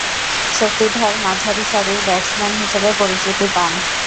শক্তিধর মাঝারিসারির ব্যাটসম্যান হিসেবে পরিচিতি পান।